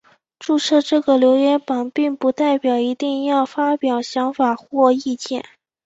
注册这个留言版并不代表一定要发表想法或意见。